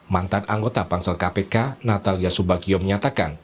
mantan anggota pansel kpk natalia subagio menyatakan